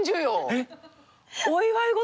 えっ？